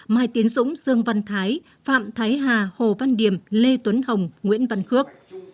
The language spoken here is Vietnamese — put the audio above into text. mai tiến dũng dương văn thái phạm thái hà hồ văn điểm lê tuấn hồng nguyễn văn khước